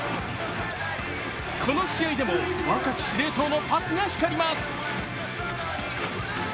この試合でも若き司令塔のパスが光ります。